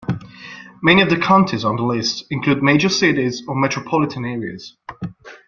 Many of the counties on the list include major cities or metropolitan areas.